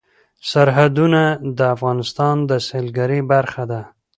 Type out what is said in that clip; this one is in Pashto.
سرحدونه د افغانستان د سیلګرۍ برخه ده.